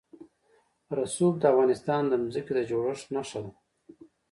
رسوب د افغانستان د ځمکې د جوړښت نښه ده.